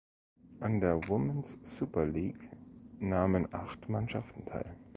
An der Women’s Super League nahmen acht Mannschaften teil.